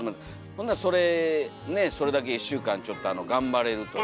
ほんならそれだけ１週間ちょっと頑張れるというか。